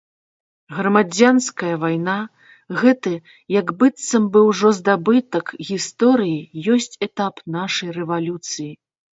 Грамадзянская вайна, гэты як быццам бы ўжо здабытак гісторыі, ёсць этап нашай рэвалюцыі.